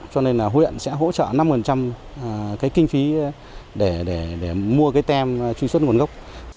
cho nên là huyện sẽ hỗ trợ năm cái kinh phí để mua cái tem truy xuất nguồn gốc